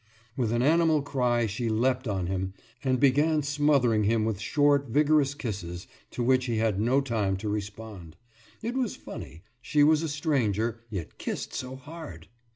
« With an animal cry she leapt on him, and began smothering him with short, vigorous kisses, to which he had no time to respond. It was funny she was a stranger, yet kissed so hard!